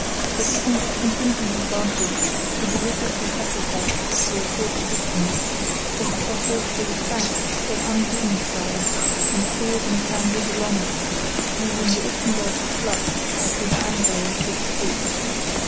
But even this contingent advantage he deliberately sacrificed after a short distance, for he crossed over to the south or unboomed side and steered and sounded along it, using the ltzendorf Flat as his handrail, so to speak.